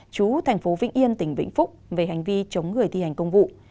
chú thành phố vĩnh yên tỉnh vĩnh phúc về hành vi chống người thi hành công vụ